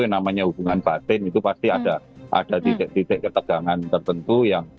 yang namanya hubungan batin itu pasti ada titik titik ketegangan tertentu yang